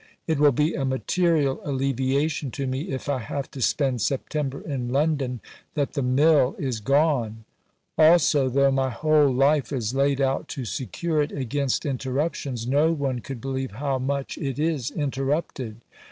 It will be a material alleviation to me if I have to spend September in London that the 'mill' is gone. Also, tho' my whole life is laid out to secure it against interruptions, no one could believe how much it is interrupted.